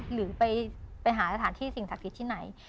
หรือไปไปหารสถานที่สิ่งศักดิ์ที่ไหน